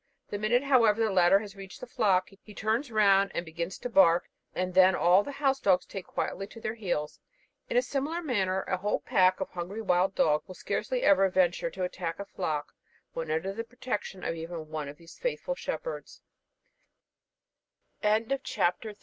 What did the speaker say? The minute, however, the latter has reached the flock, he turns round and begins to bark, and then all the house dogs take very quietly to their heels. In a similar manner, a whole pack of hungry wild dogs will scarcely ever venture to attack a flock when under the protection of e